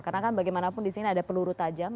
karena kan bagaimanapun di sini ada peluru tajam